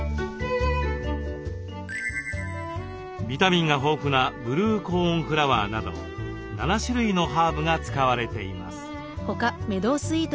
ビタミンが豊富なブルーコーンフラワーなど７種類のハーブが使われています。